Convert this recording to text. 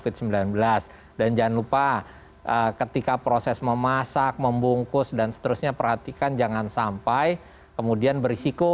dan jangan lupa ketika proses memasak membungkus dan seterusnya perhatikan jangan sampai kemudian berisiko